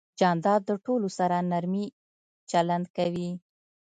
جانداد د ټولو سره نرمي چلند کوي.